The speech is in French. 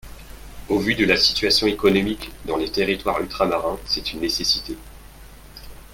Au vu de la situation économique dans les territoires ultramarins, c’est une nécessité.